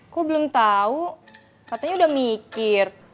kok belum tahu katanya udah mikir